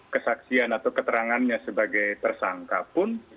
kesaksian atau keterangannya sebagai tersangkapun